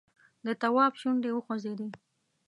د تواب شونډې وخوځېدې!